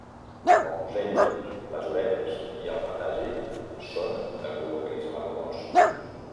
El musell, les orelles i el patagi són de color gris marronós.